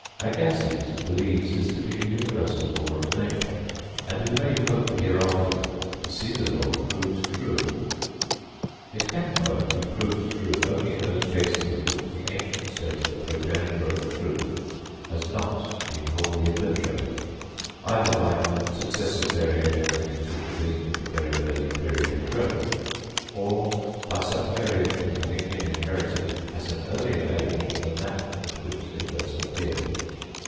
Agassiz believes this to be a universal law of nature; and we may hope hereafter to see the law proved true. It can, however, be proved true only in those cases in which the ancient state of the progenitor of the group has not been wholly obliterated, either by successive variations having supervened at a very early period of growth, or by such variations having been inherited at an earlier age than that at which they first appeared.